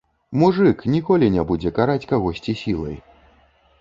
Мужык, ніколі не будзе караць кагосьці сілай.